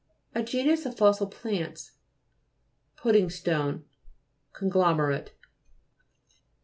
A genus of fossil plants. PUDDING STONE Conglomerate.